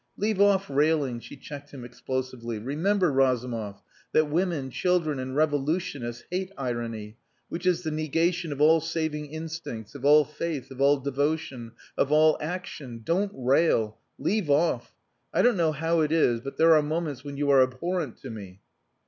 "Leave off railing," she checked him explosively. "Remember, Razumov, that women, children, and revolutionists hate irony, which is the negation of all saving instincts, of all faith, of all devotion, of all action. Don't rail! Leave off.... I don't know how it is, but there are moments when you are abhorrent to me...."